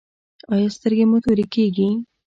ایا سترګې مو تورې کیږي؟